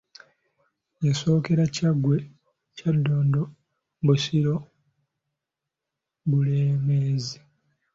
Yasookera Kyaggwe, Kyaddondo, Busiro rie Bulemeezi.